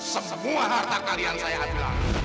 semua harta kalian saya bilang